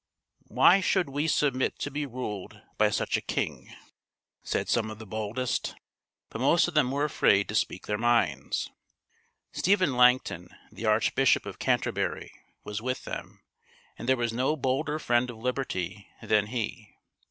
" Why should we submit to be ruled by such a king ?" said some of the boldest. But most of them were afraid to speak their minds. Stephen Langton, the Archbishop of Canterbury, was with them, and there was no bolder friend of liberty than he.